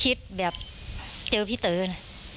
กระดิกก็คิดแบบเจอพี่เต๋อนะ